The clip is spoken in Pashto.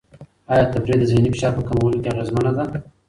آیا تفریح د ذهني فشار په کمولو کې اغېزمنه ده؟